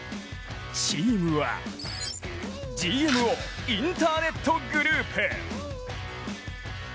チームはＧＭＯインターネットグループ。